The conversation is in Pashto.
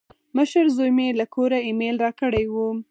مشر زوی مې له کوره ایمیل راکړی و.